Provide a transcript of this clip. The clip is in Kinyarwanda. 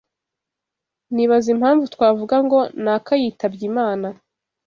nibaza impamvu twavuga Ngo « naka yitabye Imana »